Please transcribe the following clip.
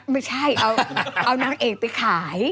ไม่ใช่เอานางเอกไปขาย